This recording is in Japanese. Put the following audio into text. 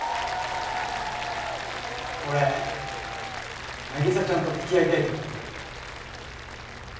俺凪沙ちゃんと付き合いたいと思ってる。